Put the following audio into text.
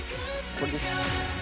これです